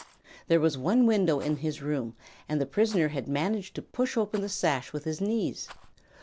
There was one window in his room and the prisoner had managed to push open the sash with his knees.